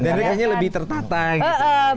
tapi kayaknya lebih tertata gitu